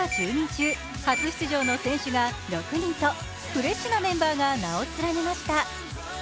中初出場の選手が６人とフレッシュなメンバーが名を連ねました。